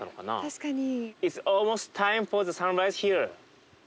確かに。